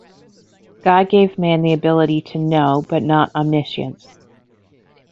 God gave man the ability to know, but not omniscience.